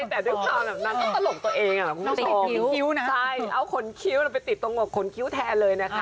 แต่ด้วยความตลกตัวเองเอาคนคิ้วไปติดตรงคนคิ้วแทนเลยนะคะ